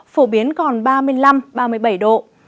phổ biến còn ba mươi năm ba mươi bảy độ